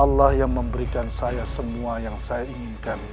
allah yang memberikan saya semua yang saya inginkan